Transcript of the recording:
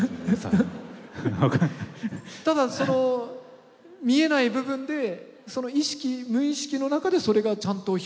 ただその見えない部分でその無意識の中でそれがちゃんと表現できてたという。